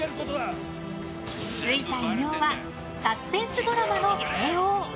ついた異名はサスペンスドラマの帝王。